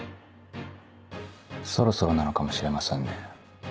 そろそろなのかもしれませんね。